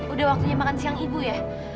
udah waktunya makan siang ibu ya